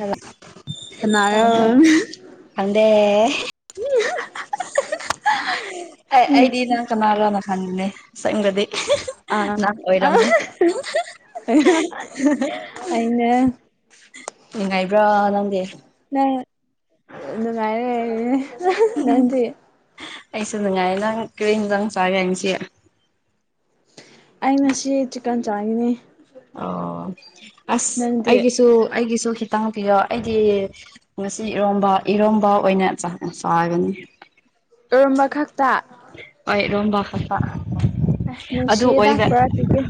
hello ꯀꯅꯥꯔ ꯑꯪꯗꯦ ꯑꯦ ꯑꯩꯗꯤ ꯅꯪ ꯀꯅꯥꯅꯣꯅ ꯈꯪꯗꯅꯦ ꯁꯛꯗꯗꯤ ꯑ ꯑꯩꯅ ꯉꯥꯏꯕ꯭ꯔꯥ ꯅꯪꯒꯤ ꯑ ꯑꯗꯨꯉꯔꯦ ꯑꯩꯁꯨꯦ ꯅꯨꯡꯉꯥꯏ ꯅꯪ ꯀꯔꯤ ꯗꯥꯡ ꯆꯥꯒꯅꯤꯁꯤ ꯑꯩꯅ ꯁꯤ ꯆꯤꯛꯀꯟ ꯆꯥꯒꯤꯅꯦ ꯑꯣ ꯑꯁ ꯅꯪꯗꯤ ꯑꯩꯒꯤꯁꯨ ꯑꯩꯒꯤꯁꯨ ꯇꯥꯡ ꯄꯤꯌꯣ ꯑꯩꯗꯤ ꯉꯁꯤ ꯏꯔꯣꯝꯕ ꯏꯔꯣꯝꯕ ꯑꯣꯏꯅ ꯆꯥꯒꯅꯤ ꯎꯔꯨꯝꯕ ꯈꯛꯇ ꯍꯣꯏ ꯔꯣꯝꯕ ꯐꯄꯥ ꯑꯗꯨ ꯅꯨꯡꯁꯤꯗ ꯑꯣꯏꯗ ꯄꯨꯔꯛꯄꯤꯒꯦ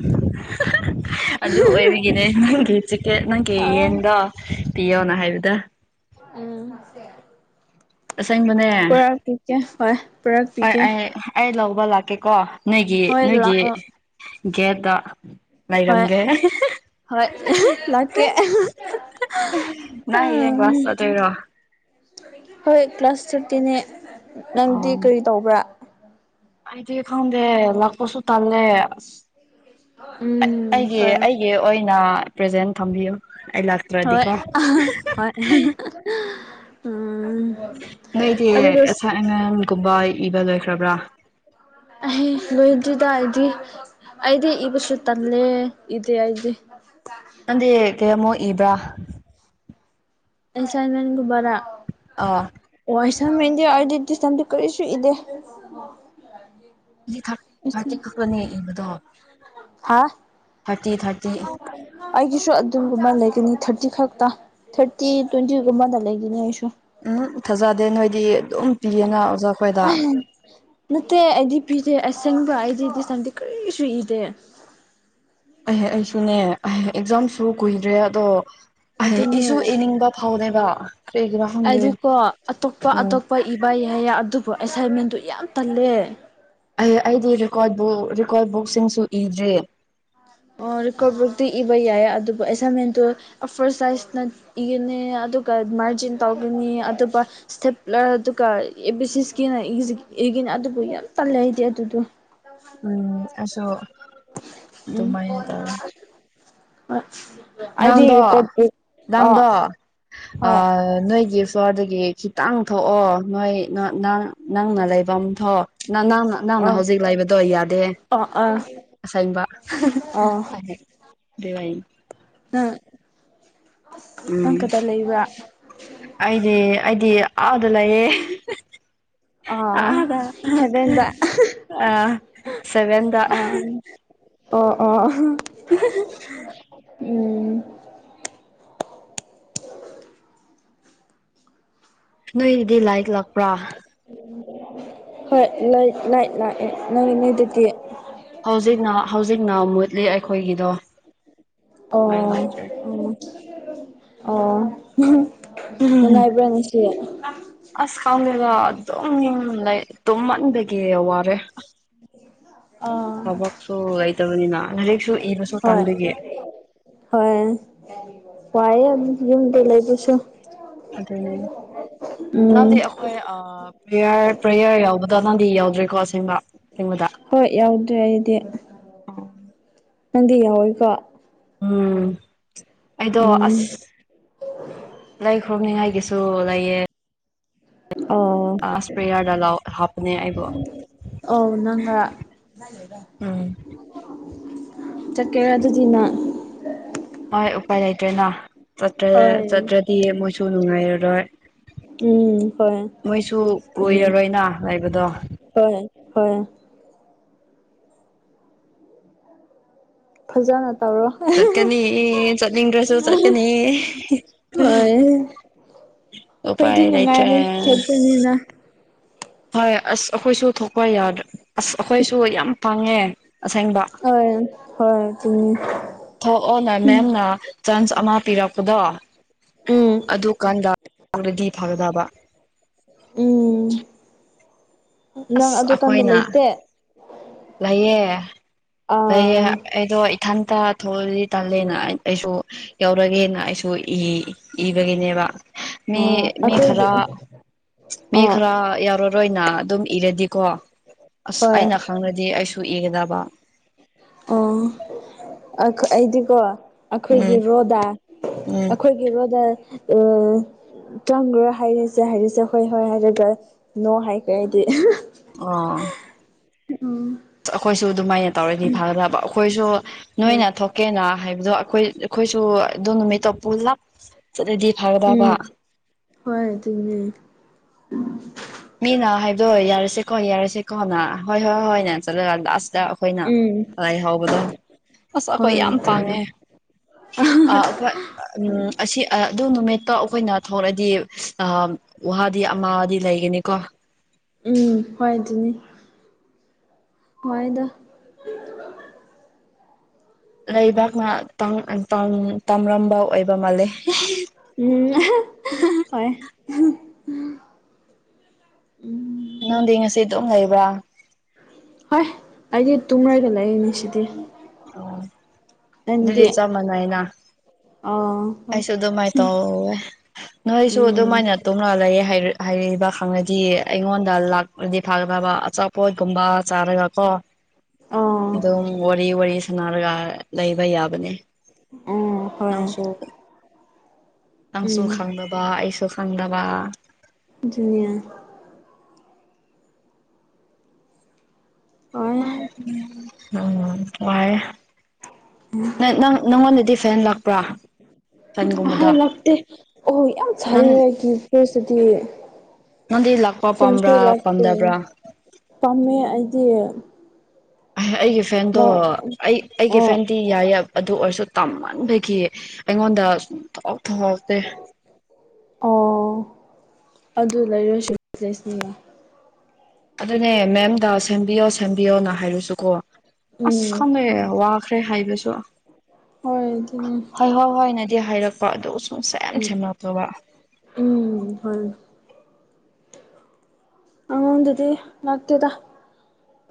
ꯑꯗꯨ ꯑꯣꯏꯔꯤꯒꯤꯅꯦ ꯅꯪꯒꯤ ꯆꯤꯀꯦꯠ ꯅꯪꯒꯤ ꯑ ꯌꯦꯟꯗꯣ ꯄꯤꯌꯣꯅ ꯍꯥꯏꯕꯗ ꯎ ꯑꯁꯦꯡꯕꯅꯦ ꯄꯨꯔꯛ ꯄꯤꯀꯦ ꯍ ꯄꯨꯔꯛ ꯍꯣꯏ ꯄꯤꯀꯦ ꯑꯩ ꯑꯩ ꯂꯧꯕ ꯂꯥꯛꯀꯦꯀꯣ ꯅꯣꯏꯒꯤ ꯍꯣꯏ ꯅꯣꯏꯒꯤ ꯂꯥꯛꯑꯣ ꯒꯦꯗ ꯍꯣꯏ ꯂꯩꯔꯝꯒꯦ ꯍꯣꯏ ꯂꯀꯦ ꯑ ꯅꯪ ꯍꯌꯦꯡ ꯀ꯭ꯂꯥꯁ ꯆꯠꯇꯣꯏꯔꯣ ꯍꯣꯏ ꯀ꯭ꯂꯥꯁ ꯊꯔꯇꯤꯅꯦ ꯅꯪꯗꯤ ꯑꯣ ꯀꯔꯤ ꯇꯧꯕ꯭ꯔꯥ ꯑꯩꯗꯤ ꯈꯪꯗꯦ ꯂꯥꯛꯄꯁꯨ ꯇꯜꯂꯦ ꯑꯁ ꯎꯝ ꯑꯩꯒꯤ ꯍꯣꯏ ꯑꯩ ꯑꯣꯏꯅ ꯄ꯭ꯔꯖꯦꯟ ꯊꯝꯕꯤꯌꯨ ꯑꯩ ꯂ ꯍꯣꯏ ꯍꯣꯏ ꯎꯝ ꯅꯣꯏꯗꯤ ꯑꯗꯨꯒ ꯑꯁꯛ ꯑꯉꯟꯒꯨꯝꯕ ꯏꯕ ꯂꯣꯏꯈ꯭ꯔꯕ꯭ꯔꯥ ꯑꯍ ꯂꯣꯍꯤꯖꯤꯗꯔꯖꯤ ꯑꯗꯦ ꯏꯕꯁꯨ ꯇꯂꯦ ꯏꯗꯦ ꯑꯗꯦ [inaudible] ꯅꯪꯗꯤ ꯀꯌꯥꯃꯣꯛ ꯏꯕ꯭ꯔꯥ ꯑꯦꯟꯁꯥꯏꯟꯃꯦꯟꯒꯨꯝꯕꯔꯥ ꯑꯥ ꯋꯥ ꯏꯁꯥꯢꯃꯦꯟꯒꯤ ꯑꯣꯢꯔꯗꯤ ꯀꯔꯤꯁꯨ ꯏꯗꯦ ꯊꯥꯔꯇ ꯊꯥꯔꯇꯤ ꯈꯛꯇꯅꯤ ꯏꯕꯗꯣ ꯍꯥ ꯊꯥꯔꯇꯤ ꯊꯥꯔꯇꯤ [inaudible] ꯑꯩꯒꯤꯁꯨ ꯑꯗꯨꯒꯨꯝꯕ ꯂꯩꯒꯅꯤ ꯊꯥꯔꯇꯤ ꯈꯛꯇ ꯊꯥꯔꯇꯤ ꯇ꯭ꯋꯦꯟꯇꯤꯒꯨꯝꯕꯗ ꯂꯩꯒꯅꯤ ꯑꯩꯁꯨ ꯎꯝ ꯊꯥꯖꯗꯦ ꯅꯣꯏꯗꯤ ꯑꯗꯨꯝ ꯄꯤꯌꯦꯅ ꯑꯣꯖꯥꯈꯣꯏꯗ ꯑꯍꯦ ꯅꯠꯇꯦ ꯑꯩꯗꯤ ꯄꯤꯗꯦ ꯑꯁꯦꯡꯕ ꯑꯩꯗꯤ [unintelligible] ꯀꯔꯤꯁꯨ ꯏꯗꯦ ꯑꯍꯦ ꯑꯩꯁꯨꯅꯦ ꯑꯦꯛꯖꯥꯝꯁꯨ ꯀꯨꯏꯗ꯭ꯔꯦ ꯑꯗꯣ ꯑꯍꯦ ꯑꯗꯨꯅꯦ ꯏꯁꯨ ꯏꯅꯤꯡꯕ ꯐꯥꯎꯗꯦꯕ ꯀ꯭ꯔꯤ ꯒꯤꯔꯥ ꯈꯪꯗꯦ ꯎꯝ ꯄꯥ ꯏꯕ ꯌꯥꯏꯌꯦ ꯑꯗꯨꯕꯨ ꯑꯦꯁꯥꯏꯟꯃꯦꯟꯗꯨ ꯌꯥꯝ ꯇꯜꯂꯦ ꯑꯩ ꯑꯩꯗꯤ ꯔꯦꯀꯣꯔꯠ ꯕꯨꯛ ꯔꯦꯀꯣꯔꯠ ꯕꯨꯛꯁꯤꯡꯁꯨ ꯏꯗ꯭ꯔꯤ ꯑꯣ ꯔꯤꯀꯣꯔꯠ ꯕꯨꯛꯇꯤ ꯏꯕ ꯌꯥꯏ ꯑꯗꯨꯕꯨ ꯑꯦꯁꯥꯏꯟꯃꯦꯟꯗꯨ ꯑꯐꯔ ꯁꯥꯏꯖꯅ ꯏꯒꯅꯤ ꯑꯗꯨꯒ ꯃꯥꯔꯖꯤꯟ ꯇꯧꯒꯅꯤ ꯑꯗꯨꯒ ꯏꯁꯇꯦꯞꯂꯔ ꯑꯗꯨꯒ ꯑꯦ ꯕꯤ ꯁꯤꯁꯀꯤꯅ ꯏꯒꯤꯅ ꯑꯗꯨꯕꯨ ꯌꯥꯝ ꯇꯜꯂꯦ ꯑꯩꯗꯤ ꯑꯗꯨꯗꯣ ꯎꯝ ꯑꯁꯨ ꯎꯝ [unintelligible] ꯍꯣꯢ ꯅꯪꯗꯣ ꯅꯪꯗꯣ ꯍꯣꯏ ꯑꯥ ꯅꯣꯏꯒꯤ ꯏꯁꯇꯣꯔꯗꯒꯤ ꯈꯤꯇꯪ ꯊꯣꯛꯑꯣ ꯅꯣꯏ ꯅꯪ ꯅꯪꯅ ꯂꯩꯐꯝ ꯊꯣꯛ ꯅ ꯅꯪꯅ ꯅꯪꯅ ꯍꯧꯖꯤꯛ ꯂꯩꯕꯗꯣ ꯌꯥꯗꯦ ꯑ ꯑꯥ ꯑꯁꯦꯡꯕ [unintelligible] ꯑꯥ ꯎꯝ ꯅꯪ ꯀꯗꯥ ꯂꯩꯕ꯭ꯔꯥ ꯑꯩꯗꯤ ꯑꯩꯗꯤ ꯑꯥꯗ ꯂꯩꯌꯦ ꯑꯥ ꯑꯗ ꯍꯦꯕꯦꯟꯗ ꯑ ꯁꯕꯦꯟꯗ ꯑꯥ ꯑꯣ ꯑꯣ ꯎꯝ ꯅꯣꯏꯗꯤ ꯂꯥꯏꯠ ꯂꯥꯛꯄ꯭ꯔꯥ ꯍꯣꯏ ꯂꯥꯏꯠ ꯂꯥꯏꯠ ꯂꯥꯛꯑꯦ ꯅꯪꯢꯗꯗꯤ ꯍꯧꯖꯤꯛꯅ ꯍꯧꯖꯤꯛꯅ ꯃꯨꯠꯂꯤ ꯑꯩꯈꯣꯏꯒꯤꯗꯣ ꯑꯣ ꯂꯥꯏꯠ ꯂꯥꯛꯇ꯭ꯔꯦ ꯑꯣ ꯑꯣ [unintelligible] ꯎꯝ ꯅꯨꯡꯉꯥꯏꯕ꯭ꯔꯥ ꯉꯁꯤ ꯑꯁ ꯈꯪꯗꯦꯗ ꯑꯗꯨꯝ ꯂꯩꯥ ꯇꯨꯝꯃꯥꯟꯕꯒꯤ ꯋꯥꯔꯦ [inaudible] ꯑꯥ ꯊꯕꯛꯁꯨ ꯅꯦꯛꯁ ꯂꯩꯇꯕꯅꯤꯅ ꯂꯥꯏꯔꯤꯛꯁꯨ ꯏꯕꯁꯨ ꯍꯣꯏ ꯇꯥꯟꯕꯒꯤ ꯍꯣꯏ ꯋꯥꯏꯌꯦ ꯌꯨꯝꯗ ꯂꯩꯕꯁꯨ ꯎꯝ ꯍꯣꯏ ꯑꯥ ꯄ꯭ꯔꯦꯌꯔ ꯄ꯭ꯔꯦꯌꯔ ꯌꯥꯎꯕꯗꯣ ꯅꯪꯗꯤ ꯌꯥꯎꯗ꯭ꯔꯦꯀꯣ ꯑꯁꯦꯡꯕ ꯑꯁꯦꯡꯕꯗ ꯍꯣꯏ ꯌꯥꯎꯗ꯭ꯔꯦ ꯑꯩꯗꯤ ꯅꯪꯗꯤ ꯌꯥꯎꯋꯤꯀꯣ ꯎꯝ ꯑꯩꯗꯣ ꯎꯝ ꯑꯁ ꯂꯩ ꯈ꯭ꯔꯨꯝꯅꯤꯡꯉꯥꯏꯒꯤꯁꯨ ꯂꯩꯌꯦ ꯑꯣ ꯏꯁꯄ꯭ꯔꯦꯌꯥꯔꯗ ꯂꯥꯎ ꯍꯥꯞꯄꯅꯦ ꯑꯩꯕꯨ ꯎꯝ ꯆꯠꯀꯦꯔ ꯑꯗꯨꯗꯤ ꯅꯪ ꯍꯣꯏ ꯎꯄꯥꯏ ꯂꯩꯇ꯭ꯔꯦꯅ ꯍꯣꯏ ꯆꯠꯇ꯭ꯔꯗꯤ ꯃꯣꯏꯁꯨ ꯅꯨꯡꯉꯥꯏꯔꯔꯣꯏ ꯎꯝ ꯍꯣꯏ ꯃꯣꯏꯁꯨ ꯑꯗꯨꯅꯤ ꯀꯏꯔꯔꯣꯏꯅ ꯂꯩꯕꯗꯣ ꯍꯣꯏ ꯍꯣꯏ ꯐꯖꯅ ꯇꯧꯔꯣ ꯍꯣꯏ ꯆꯠꯀꯅꯤ ꯑꯦ ꯆꯠꯅꯤꯡꯗ꯭ꯔꯁꯨ ꯆꯠꯀꯅꯤ ꯑꯩꯈꯣꯏꯗꯤ ꯎꯄꯥꯥꯏꯗꯥꯏꯇ꯭ꯔꯦ ꯑꯅꯤꯅ ꯍꯣꯏ ꯑꯁ ꯑꯩꯈꯣꯏꯁꯨ ꯊꯣꯛꯄ ꯌꯥꯗ꯭ꯔ ꯑꯁ ꯑꯩꯈꯣꯏꯁꯨ ꯌꯥꯝ ꯄꯥꯡꯉꯦ ꯑꯁꯦꯡꯕ ꯍꯣꯏ ꯍꯣꯏ ꯑꯗꯨꯅꯤ ꯊꯣꯛꯑꯣꯅꯦ ꯃꯦꯝꯅ ꯆꯥꯟꯁ ꯑꯃ ꯄꯤꯔꯛꯄꯗꯣ ꯎꯝ ꯑꯗꯨꯀꯥꯟꯗꯔꯗꯤ ꯐꯒꯗꯕ ꯎꯝ ꯅꯪ ꯑꯗꯨꯀꯥꯟꯗ ꯂꯩꯇꯦ ꯂꯩꯌꯦꯦ ꯂꯩꯌꯦ ꯑꯥ ꯑꯩꯗꯣ ꯏꯊꯟꯇ ꯊꯣꯛꯑꯗꯤ ꯇꯜꯂꯦꯅ ꯑꯩꯁꯨ ꯌꯥꯎꯔꯒꯦꯅ ꯑꯩꯁꯨ ꯏꯕꯒꯤꯅꯦꯕ ꯃꯤ ꯑꯥ ꯃꯤ ꯈꯔ ꯑꯩꯈꯣꯏꯗꯤ ꯃꯤ ꯑꯥ ꯈꯔ ꯌꯥꯔ ꯃꯔꯣꯏ ꯑꯣꯏꯅ ꯑꯗꯨꯝ ꯏꯔꯗꯤꯀꯣ ꯑꯁ ꯍꯣꯏ ꯑꯩꯅ ꯈꯪꯅꯗꯤ ꯑꯩꯁꯨ ꯏꯒꯗꯕ ꯑꯣ ꯑꯩꯗꯤꯀꯣ ꯑꯩꯈꯣꯏꯒꯤ ꯎꯝ ꯔꯣꯗ ꯎꯝ ꯑꯩꯈꯣꯏꯒꯤ ꯔꯣꯗ ꯑ ꯆꯪꯈ꯭ꯔ ꯍꯥꯏꯔꯤꯁꯦ ꯍꯥꯏꯔꯤꯁꯦ ꯍꯣꯏ ꯍꯣꯏ ꯍꯥꯏꯔꯒ ꯅꯣ ꯍꯥꯏꯈ꯭ꯔꯦ ꯍꯥꯏꯗꯤ ꯑ ꯑ ꯑꯩꯈꯣꯏꯁꯨ ꯑꯗꯨꯃꯥꯏꯅ ꯇꯧꯔꯗꯤ ꯐꯒꯗꯕ ꯑꯩꯈꯣꯏꯁꯨ ꯅꯣꯏꯅ ꯍꯣꯏ ꯊꯣꯛꯀꯦꯅ ꯍꯥꯏꯕꯗꯣ ꯑꯩꯈꯣꯏ ꯑꯩꯈꯣꯏꯁꯨ ꯑꯗꯨꯣ ꯅꯨꯃꯤꯠꯇꯣ ꯄꯨꯂꯞ ꯆꯠꯂꯗꯤ ꯐꯒꯗꯕ ꯎꯝ ꯍꯣꯏ ꯑꯗꯨꯅꯦ ꯎ ꯃꯤꯅ ꯍꯥꯏꯗꯣꯏꯑꯣ ꯌꯥꯔꯁꯤꯦꯀꯣ ꯌꯥꯔꯁꯤꯦꯀꯣ ꯅ ꯍꯣꯏ ꯍꯣꯏ ꯍꯣꯏꯅꯦ ꯆꯠꯂꯒ ꯂꯥꯁꯇ ꯑꯩꯈꯣꯏꯅ ꯎꯝ ꯂꯥꯏ ꯍꯥꯎꯕꯗꯣ ꯑꯁ ꯑꯩꯈꯣꯏ ꯍꯣꯏ ꯌꯥꯝ ꯑꯗꯨꯅꯦ ꯄꯥꯡꯉꯦ ꯑ ꯑꯈꯣꯏ ꯍꯣꯏ ꯎꯝ ꯑꯁꯤ ꯑꯗꯨ ꯅꯨꯃꯤꯠꯇ ꯑꯩꯈꯣꯏꯅ ꯊꯣꯛꯂꯛꯑꯗꯤ ꯑ ꯋꯥꯗꯤ ꯑꯃꯗꯤ ꯂꯩꯒꯅꯤ ꯎꯝ ꯍꯏ ꯑꯗꯨꯅꯤ ꯍꯏꯗ ꯂꯩꯕꯥꯛꯅ ꯇꯝ ꯇꯝꯂꯝꯕ ꯑꯣꯏꯕ ꯃꯥꯜꯂꯦ ꯎꯝ ꯍꯣꯏ ꯅꯪꯗꯤ ꯉꯁꯤ ꯑꯗꯨꯝ ꯂꯩꯕ꯭ꯔꯥ ꯍꯣꯏ ꯑꯩꯗꯤ ꯇꯨꯡꯔꯒꯂꯛꯏꯅꯦ ꯁꯤꯗꯤ ꯑꯣ ꯅꯪꯗꯤ [unintelligible] ꯆ ꯃꯅꯦꯅ ꯑꯥ ꯍꯣꯏ ꯑꯩꯁꯨ ꯑꯗꯨꯃꯥꯏꯅ ꯇꯧꯋꯦ ꯅꯣꯏꯁꯨ ꯎꯝ ꯑꯗꯨꯃꯥꯏꯅꯧ ꯇꯧꯅ ꯂꯩꯌꯦ ꯍꯥꯏꯔꯤꯕ ꯈꯪꯉꯗꯤ ꯑꯩꯉꯣꯟꯗ ꯂꯥꯛꯄꯗꯤ ꯐꯒ ꯐꯕ ꯑꯄ ꯄꯣꯏꯒꯨꯝꯕ ꯆꯥꯔꯒ ꯀꯣ ꯑꯣ ꯑꯗꯨꯝ ꯋꯥꯔꯤ ꯋꯥꯔꯤ ꯁꯅꯔꯒ ꯂꯩꯕ ꯌꯥꯕꯅꯦ ꯑꯥ ꯅꯁꯨ ꯅꯪꯁꯨ ꯎꯝ ꯈꯪꯗꯕ ꯑꯩꯁꯨ ꯈꯪꯗꯕ ꯑꯗꯨꯅꯦ ꯑꯣꯏꯣꯏ ꯎꯝ ꯇꯥꯏ ꯅ ꯅꯪ ꯅꯪꯉꯣꯟꯗꯗꯤ ꯐꯦꯟ ꯂꯥꯛꯄ꯭ꯔꯥ ꯑꯍ ꯐꯦꯟꯒꯨꯝꯕꯗꯣ ꯂꯥꯛꯇ ꯑꯣ ꯌꯥꯝ ꯅꯪ ꯁꯔꯤ ꯐꯁꯤ ꯅꯪꯗꯤ ꯂꯥꯛꯄ ꯐꯦꯟꯁꯨ ꯄꯥꯝꯕ꯭ꯔꯥ ꯂꯥꯛꯇꯦ ꯄꯥꯝꯗꯕ꯭ꯔꯥ ꯄꯥꯝꯃꯦ ꯑꯩꯗꯤ ꯑꯩꯒꯤ ꯐꯦꯟꯗꯣ ꯅꯪ ꯑꯩ ꯑꯩꯒꯤ ꯑꯣ ꯐꯦꯟ ꯇꯤ ꯌꯥꯏꯌꯦ ꯑꯗꯨ ꯑꯣꯏꯔꯁꯨ ꯇꯝꯍꯟꯕꯒꯤ ꯑꯩꯉꯣꯟꯗ ꯁꯨꯝ ꯊꯍꯥꯎ ꯊꯍꯥꯎꯇꯦ ꯑꯣ ꯑꯗꯨ ꯂꯩꯔꯁꯨ [unintelligible] ꯑꯗꯨꯅꯦ ꯃꯦꯝꯗ ꯁꯦꯝꯕꯤꯌꯣ ꯁꯦꯝꯕꯤꯌꯣꯅ ꯍꯥꯏꯔꯨꯁꯨꯀꯣ ꯑꯁ ꯎꯝ ꯈꯪꯗꯦ ꯍꯣꯏ ꯋꯥꯈ꯭ꯔꯦ ꯍꯥꯏꯕꯁꯨ ꯍꯣꯏ ꯑꯗꯨꯅꯦ ꯍꯣꯏ ꯍꯣꯏ ꯍꯣꯏ ꯇ ꯍꯥꯏꯔꯛꯄ ꯑꯗꯨ ꯁꯨꯝ ꯁꯦꯝ ꯎꯝ ꯁꯦꯝꯂꯛꯇꯕ ꯎꯝ ꯍꯣꯏ ꯑꯗꯗꯤ ꯂꯥꯛꯇꯗ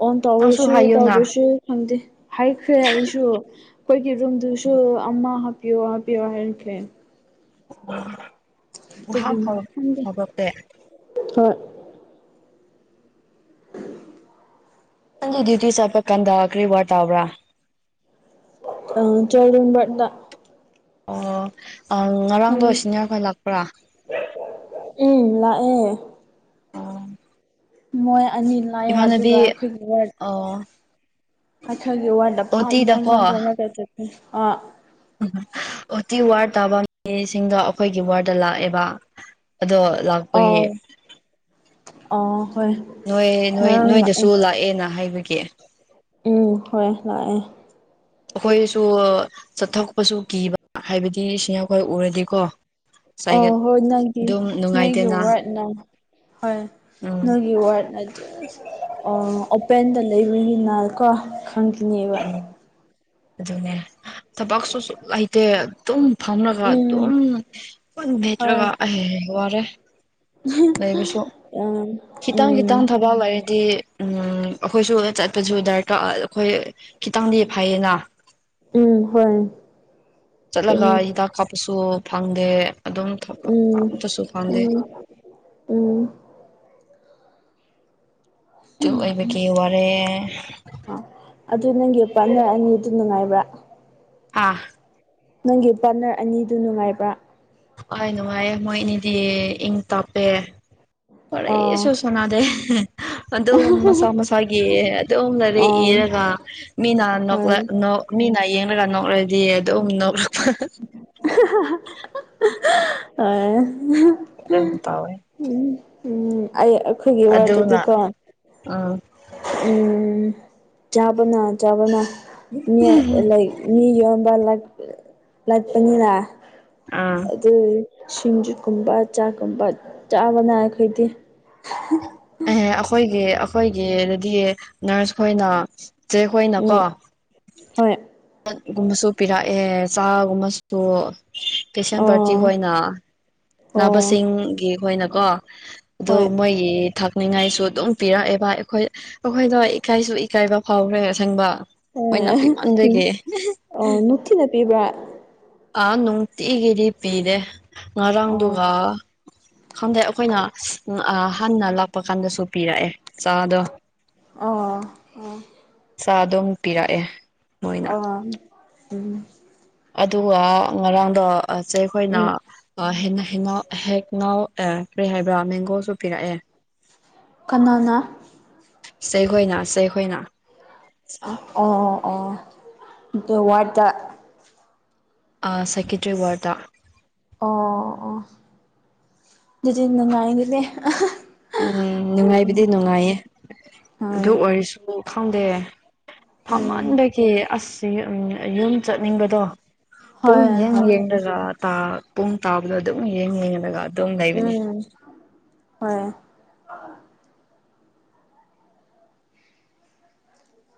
ꯑꯣꯟ ꯅꯪꯁꯨ ꯇꯧꯔꯁꯨ ꯍꯥꯏꯌꯨꯅ ꯇꯧꯗ꯭ꯔꯁꯨ ꯈꯪꯗꯦ ꯍꯥꯏꯈ꯭ꯔꯦ ꯑꯩꯁꯨ ꯑꯩꯈꯣꯏꯒꯤ ꯔꯨꯝꯗꯨꯁꯨ ꯑꯃ ꯍꯥꯞꯄꯤꯌꯣ ꯍꯥꯞꯄꯤꯌꯣ ꯍꯥꯏꯈ꯭ꯔꯦ [unintelligible] ꯑꯗꯨꯕꯨ ꯁꯨꯡꯍꯥꯞ ꯍꯥꯞ ꯈꯪꯗꯦ ꯍꯥꯞꯔꯛꯇꯦ ꯍꯣꯏ ꯅꯗꯤꯪ ꯗ꯭ꯨꯌꯇꯤ ꯆꯠꯄ ꯀꯥꯟꯑ ꯀ꯭ꯔꯤ ꯋꯥꯔ ꯇꯧꯕ꯭ꯔꯥ [unintelligible] ꯑꯣ ꯅꯪ ꯉꯔꯥꯡꯗꯣ ꯁꯤꯅꯦꯔꯈꯣꯏ ꯂꯥꯛꯄ꯭ꯔꯥ ꯎꯝ ꯂꯥꯛꯑꯦ ꯑꯥ ꯃꯣꯏ ꯑꯅꯤ ꯂꯥꯛꯑꯦ ꯏꯃꯥꯟꯅꯕꯤ ꯑꯗꯨꯒ ꯑ ꯃꯊꯛꯒꯤ ꯋꯥꯗ ꯐꯝ [unintelligible] ꯑꯣꯇꯤ ꯋꯥꯔ ꯇꯥꯕ ꯃꯤꯁꯤꯡꯗꯣ ꯑꯩꯈꯣꯏꯒꯤ ꯋꯥꯔꯗ ꯂꯥꯛꯑꯦꯕ ꯑꯗꯣ ꯂꯥꯛ ꯑꯥ ꯑꯣ ꯍꯣꯏ ꯅꯣꯏ ꯅꯣꯏ ꯉꯔꯥꯡ ꯂꯥꯛꯑꯦ ꯅꯣꯏꯗꯁꯨ ꯂꯥꯛꯑꯦꯅ ꯍꯥꯏꯕꯒꯤ ꯎꯝ ꯍꯣꯏ ꯂꯥꯛꯑꯦ ꯑꯩꯈꯣꯏꯁꯨ ꯆꯠꯊꯣꯛꯄꯁꯨ ꯀꯤꯕ ꯍꯥꯏꯕꯗꯤ ꯁꯤꯅꯤꯌꯔ ꯈꯣꯏ ꯎꯔꯗꯤꯀꯣ ꯉꯁꯥꯏꯒ ꯑꯣ ꯍꯣꯏ ꯅꯪꯒꯤ ꯑꯗꯨꯝ ꯅꯣꯏꯒꯤ ꯅꯨꯡꯉꯥꯏꯇꯦꯅ ꯋꯥꯠꯅ ꯍꯣꯏ ꯎꯝ ꯅꯣꯏꯒꯤ ꯋꯥꯠꯅ [unintelligible] ꯑꯣ ꯑꯣꯄꯦꯟꯗ ꯂꯩꯕꯒꯤ ꯅꯥꯀꯣ ꯈꯪꯈꯤꯅꯦꯕ ꯎꯝ ꯑꯗꯨꯅꯦ ꯊꯕꯛꯁꯨ ꯁꯨꯝ ꯂꯩꯇꯦ ꯑꯗꯨꯝ ꯐꯝꯔꯒ ꯎꯝ ꯑꯗꯨꯝ ꯍꯣꯏ ꯃꯦꯠꯔꯒ [unintelligible] ꯋꯥꯔꯦ ꯂꯩꯕꯁꯨ ꯎꯝ ꯈꯤꯇꯪ ꯎꯝ ꯈꯤꯇꯪ ꯊꯕꯛ ꯂꯩꯔꯗꯤ ꯎ ꯑꯩꯈꯣꯏꯁꯨ ꯆꯠꯄꯁꯨ ꯗꯔꯀꯥꯔ ꯑꯩꯈꯣꯏ ꯈꯤꯇꯪꯗꯤ ꯐꯩꯌꯦꯅ ꯎꯝ ꯍꯣꯏ ꯆꯠꯂꯒ ꯑꯗꯨꯅꯦ ꯍꯤꯗꯥꯛ ꯀꯥꯞꯄꯁꯨ ꯐꯪꯗꯦ ꯑꯗꯨꯝ ꯊꯕꯛ ꯑꯃꯇꯁꯨ ꯐꯪꯗꯦ ꯎꯝ ꯎꯝ ꯇꯨ ꯑꯣꯏꯕꯒꯤ ꯋꯥꯔꯦ ꯑ ꯑꯗꯨ ꯅꯪꯒꯤ ꯄꯥꯠꯅꯔ ꯑꯅꯤ ꯑꯗꯨ ꯅꯨꯡꯉꯥꯏꯕ꯭ꯔꯥ ꯍꯥ ꯅꯪꯒꯤ ꯄꯥꯔꯠꯅꯔ ꯑꯅꯤꯗꯨ ꯅꯨꯡꯉꯥꯏꯕ꯭ꯔꯥ ꯍꯣꯏ ꯅꯨꯡꯉꯥꯏꯌꯦ ꯃꯣꯏ ꯏꯅꯤꯗꯤ ꯏꯪ ꯇꯥꯞꯄꯦ ꯑꯥ ꯋꯥꯔꯤꯁꯨ ꯁꯥꯟꯅꯗꯦ ꯑꯗꯨꯝ ꯃꯁꯥ ꯃꯁꯥꯒꯤ ꯑꯗꯨꯝ ꯂꯥꯏꯔꯤꯛ ꯑꯥ ꯏꯔꯒ ꯃꯤꯅ ꯍꯣꯏ ꯅꯣꯛ ꯃꯤꯅ ꯌꯦꯡꯂꯒ ꯅꯣꯛꯔꯗꯤ ꯑꯗꯨꯝ ꯅꯣꯛꯂꯛꯄ [unintelligible] ꯑꯗꯨꯝ ꯇꯥꯎꯋꯦ ꯎꯝ ꯑꯩ ꯑꯩꯈꯣꯏꯒꯤ ꯋꯥꯔꯗꯗꯤ ꯑꯗꯨꯅ ꯀꯣ ꯎꯝ ꯎꯝ ꯆꯥꯕꯅ ꯆꯥꯕꯅ ꯂꯥꯏꯛ ꯃꯤ ꯌꯣꯟꯕ ꯂꯥꯛ ꯂꯥꯛꯄꯅꯤꯅ ꯑꯥ ꯑꯗꯨ ꯁꯤꯡꯖꯨꯠꯀꯨꯝꯕ ꯆꯥꯛꯀꯨꯝꯕ ꯆꯥꯕꯅ ꯑꯩꯈꯣꯏꯗꯤ ꯑꯦꯍ ꯑꯩꯈꯣꯏꯒꯤ ꯑꯩꯈꯣꯏꯒꯤ ꯗꯗꯤ ꯅꯔꯁ ꯈꯣꯏꯅ ꯆꯦ ꯈꯣꯏꯅ ꯎꯝ ꯀꯣ ꯍꯣꯏ [unintelligible] ꯒꯨꯝꯕꯁꯨ ꯄꯤꯔꯛꯑꯦ ꯆꯥꯒꯨꯝꯕꯁꯨ ꯄꯦꯁꯦꯟ ꯄꯥꯔꯇꯤ ꯑꯣ ꯈꯣꯏꯅ ꯑꯣ ꯅꯥꯕꯁꯤꯡꯒꯤꯈꯣꯏꯅ ꯀꯣ ꯑꯗꯣ ꯍꯣꯏ ꯃꯣꯏꯒꯤ ꯊꯛꯅꯤꯡꯉꯥꯏꯁꯨ ꯑꯗꯨꯝ ꯄꯤꯔꯛꯑꯦꯕ ꯑꯩꯈꯣꯏ ꯑꯩꯈꯣꯏꯗꯣ ꯏꯀꯥꯏꯁꯨ ꯏꯀꯥꯏꯕ ꯐꯥꯎꯈ꯭ꯔꯦ ꯑꯁꯦꯡꯕ ꯑ ꯃꯣꯏꯅ ꯎꯝ ꯄꯤꯃꯟꯕꯒꯤ ꯑ ꯅꯨꯡꯊꯤꯅ ꯄꯤꯕ꯭ꯔꯥ ꯑ ꯅꯨꯡꯇꯤꯒꯤꯗꯤ ꯄꯤꯗꯦ ꯑꯣ ꯉꯔꯥꯡꯗꯨꯒ ꯈꯪꯗꯦ ꯑꯩꯈꯣꯏꯅ ꯍꯥꯟꯅ ꯂꯥꯛꯄ ꯀꯥꯟꯗꯁꯨ ꯄꯤꯔꯛꯑꯦ ꯆꯥꯗꯣ ꯑ ꯑ ꯑꯗꯨꯝ ꯄꯤꯔꯛꯑꯦ ꯃꯣꯏꯅ ꯑ ꯎꯝ ꯑꯗꯨꯒ ꯉꯔꯥꯡꯗꯣꯁꯦ ꯑꯩꯈꯣꯏꯅ ꯎꯝ ꯍꯎ ꯍꯦꯛꯅꯥꯎ ꯀꯔꯤ ꯍꯥꯏꯕ꯭ꯔꯥ ꯃꯦꯡꯒꯣꯁꯨ ꯄꯤꯔꯛꯑꯦ ꯀꯅꯥꯅ ꯆꯩꯈꯣꯏꯅ ꯆꯩꯈꯣꯏꯅ ꯑꯣ ꯑꯣ ꯗꯣ ꯋꯥꯔꯗ ꯑ ꯁꯥꯏꯀꯦꯇ꯭ꯔꯤ ꯋꯥꯔꯗ ꯑꯣ ꯑꯣ ꯑꯗꯨꯗꯤ ꯅꯨꯡꯉꯥꯏꯒꯤꯅꯦ ꯎꯝ ꯅꯨꯡꯉꯥꯏꯕꯗꯤ ꯅꯨꯡꯉꯥꯏꯌꯦ ꯍꯣꯏ ꯑꯗꯨ ꯑꯣꯏꯔꯁꯨ ꯈꯪꯗꯦ ꯎꯝ ꯐꯝꯃꯟꯕꯒꯤꯦ ꯑꯁ ꯌꯨꯝ ꯆꯠꯅꯤꯡꯕꯗꯣ ꯄꯨꯡ ꯍꯣꯏ ꯌꯦꯡ ꯍꯣꯏ ꯌꯦꯡꯂꯒ ꯄꯨꯡ ꯇꯥꯕꯗꯣ ꯑꯗꯨꯝ ꯌꯦꯡ ꯌꯦꯡꯂꯒ ꯑꯗꯨꯝ ꯂꯩꯕꯅꯤ ꯎꯝ ꯍꯣꯏ ꯑ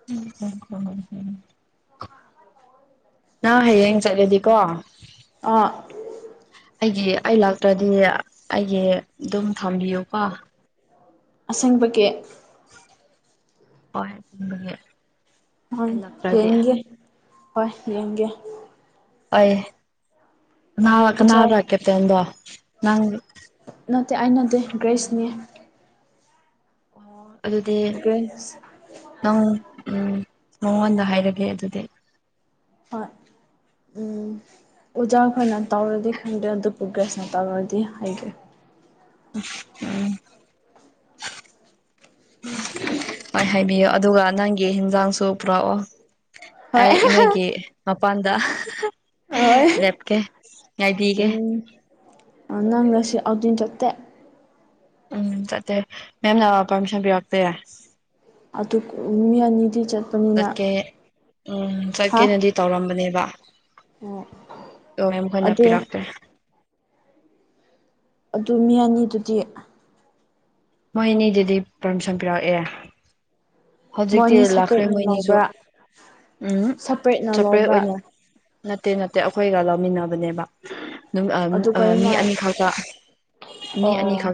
ꯎꯝ ꯎꯝꯝꯝ ꯎꯝ ꯅꯪ ꯍꯌꯦꯡ ꯆꯠꯂꯦꯗꯤꯀꯣ ꯑꯥ ꯑꯩꯒꯤ ꯑꯩ ꯂꯥꯛꯇ꯭ꯔꯗꯤ ꯑꯩꯒꯤ ꯑꯗꯨꯝ ꯊꯝꯕꯤꯌꯨꯀꯣ ꯑꯁꯪꯕꯒꯤ ꯍꯣꯏ ꯊ ꯍꯣꯏ ꯌꯦꯡꯒꯦ ꯍꯣꯏ ꯌꯦꯡꯒꯦ ꯑꯦꯏ ꯀꯅ ꯑꯣꯖꯥ ꯀꯅꯔ ꯀꯦꯞꯇꯦꯟ ꯗꯣ ꯅꯪ ꯅꯠꯇꯦ ꯑ ꯅꯠꯇꯦ ꯒ꯭ꯔꯦꯁꯅꯦ ꯑꯣ ꯑꯗꯨꯗꯤ ꯒ꯭ꯔꯦꯁ ꯅꯪ ꯅꯉꯣꯟꯗ ꯍꯥꯏꯔꯒꯦ ꯑꯗꯨꯗꯤ ꯍꯣꯏ ꯎꯝ ꯑꯣꯖꯥꯈꯣꯏꯅ ꯇꯧꯔꯗꯤ ꯈꯟꯗꯦ ꯑꯗꯨꯕꯨ ꯒ꯭ꯔꯦꯁꯅ ꯇꯧꯔꯗꯤ ꯍꯥꯏꯒꯦ ꯎꯝ ꯍꯣꯏ ꯍꯥꯏꯕꯤꯌꯣ ꯑꯗꯨꯒ ꯅꯪꯒꯤ ꯌꯦꯟꯖꯥꯡꯁꯨ ꯄꯨꯔꯛꯑꯣ ꯍꯣꯏ ꯑꯩ ꯅꯣꯏꯒꯤ ꯃꯄꯥꯟꯗ ꯍꯣꯏ ꯂꯦꯞꯀꯦ ꯉꯥꯏꯕꯤꯒꯦ ꯅꯪꯁꯤ ꯑꯗ ꯆꯠꯇ ꯎꯝ ꯆꯠꯇꯦ ꯃꯦꯝꯅ ꯄꯥꯔꯃꯤꯁꯟ ꯄꯤꯔꯛꯇꯦ ꯑꯗꯨ ꯃꯤ ꯑꯅꯤꯗꯤ ꯆꯠ ꯆꯠꯀꯦ ꯎꯝ ꯍꯥ ꯆꯠꯀꯦꯅꯗꯤ ꯇꯧꯔꯝꯕꯅꯦꯕ ꯑꯣ ꯃꯈ ꯅꯄꯤ ꯑꯗꯨ ꯂꯥꯛꯇꯔ ꯑꯗꯨ ꯃꯤ ꯑꯅꯤꯗꯨꯗꯤ ꯃꯣꯏꯅꯤꯗꯨꯗꯤ ꯄꯥꯔꯃꯤꯁꯟ ꯄꯤꯔꯛꯑꯦ ꯍꯧꯖꯤꯛꯇꯤ ꯃꯣꯏꯅꯤ ꯂꯥꯛꯈ꯭ꯔꯦ ꯁꯄꯔꯦꯠꯅ ꯃꯣꯏ ꯑꯅꯤꯁꯨ ꯂꯧꯕ꯭ꯔꯥ ꯎꯝ ꯁꯄꯔꯦꯠꯅ ꯆꯄ꯭ꯔꯦ ꯂꯧꯕ꯭ꯔꯥ ꯑꯣꯏꯅ ꯅꯠꯇꯦ ꯅꯠꯇꯦ ꯑꯩꯈꯣꯏꯒ ꯂꯧꯃꯤꯟꯅꯕꯅꯦꯕ ꯑꯗꯨ ꯃꯤ ꯀꯔꯤꯃ ꯑꯅꯤꯈꯛꯇ ꯃꯤ ꯑꯅꯤꯈꯛꯇ ꯑꯣ